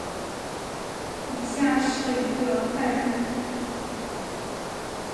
以下是一个范例。